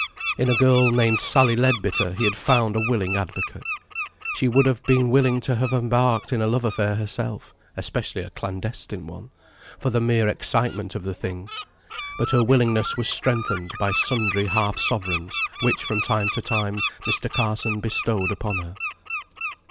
In a girl named Sally Leadbitter he had found a willing advocate. She would have been willing to have embarked in a love affair herself (especially a clandestine one), for the mere excitement of the thing; but her willingness was strengthened by sundry half sovereigns, which from time to time Mr. Carson bestowed upon her.